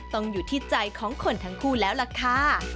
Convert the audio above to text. ต้องอยู่ที่ใจของคนทั้งคู่แล้วล่ะค่ะ